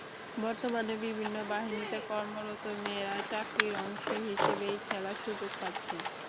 বর্তমানে বিভিন্ন বাহিনীতে কর্মরত মেয়েরা চাকরির অংশ হিসেবেই খেলার সুযোগ পাচ্ছে।